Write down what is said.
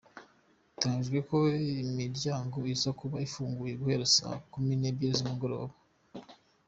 Biteganyijwe ko imiryango iza kuba ifunguye guhera saa kumi n’ebyiri z’umugoroba.